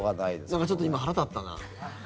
なんかちょっと今腹立ったな。